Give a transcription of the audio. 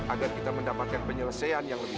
agar kita mendapatkan penyelesaian yang lebih